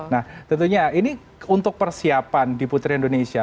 nah tentunya ini untuk persiapan di putri indonesia